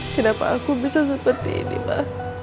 kenapa aku bisa seperti ini mbak